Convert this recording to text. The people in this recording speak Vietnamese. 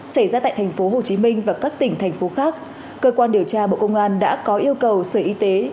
xảy ra tại tp hcm và các tỉnh thành phố khác cơ quan điều tra bộ công an đã có yêu cầu sở y tế